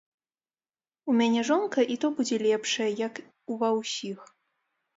У мяне жонка і то будзе лепшая, як у ва ўсіх.